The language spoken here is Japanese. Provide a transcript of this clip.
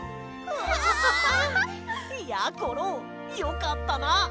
わあ！やころよかったな！